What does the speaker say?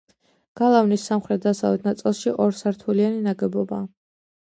გალავნის სამხრეთ-დასავლეთ ნაწილში ორსართულიანი ნაგებობაა.